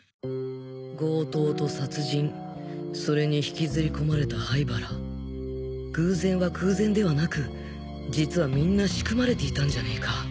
強盗と殺人それに引きずり込まれた灰原偶然は偶然ではなく実はみんな仕組まれていたんじゃねぇか？